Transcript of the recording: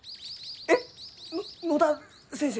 えっ！？の野田先生？